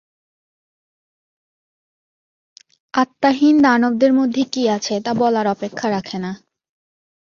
আত্মাহীন দানবদের মধ্যে কী আছে তা বলার অপেক্ষা রাখে না।